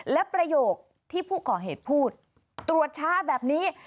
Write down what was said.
และประโยคที่ผู้ก่อเหตุพูดตรวจช้าแบบนี้